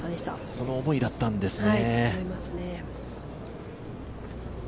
その思いだったんですね。